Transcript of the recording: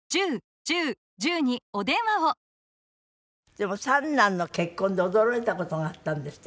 でも三男の結婚で驚いた事があったんですって？